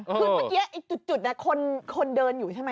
คือเมื่อกี้จุดคนเดินอยู่ใช่ไหม